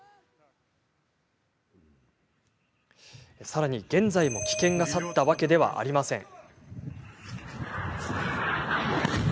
さらに、現在も危険が去ったわけではありません。